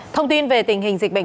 thông tin về tình hình dịch bệnh